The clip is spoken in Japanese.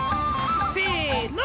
せの！